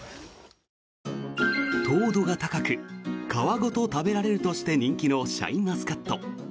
糖度が高く皮ごと食べられるとして人気のシャインマスカット。